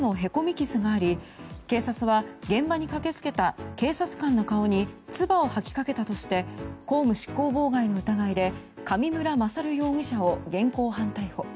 傷があり警察は現場に駆けつけた警察官の顔につばを吐きかけたとして公務執行妨害の疑いで上村勝容疑者を現行犯逮捕。